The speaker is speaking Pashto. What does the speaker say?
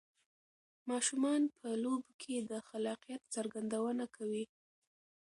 ماشومان په لوبو کې د خلاقیت څرګندونه کوي.